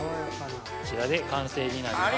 こちらで完成になります。